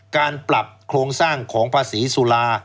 การปรับโครงสร้างของภาษีสุรา